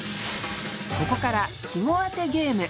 ここから季語あてゲーム。